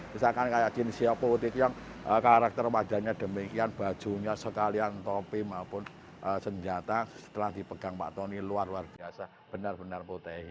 misalkan kaya jin xiao poe ti tiong karakter padanya demikian bajunya sekalian topi maupun senjata setelah dipegang pak tony luar luar biasa benar benar potehi